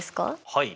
はい。